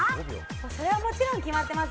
それはもちろん決まってます。